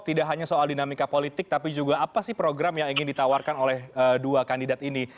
tidak hanya soal dinamika politik tapi juga apa sih program yang ingin ditawarkan oleh dua kandidat ini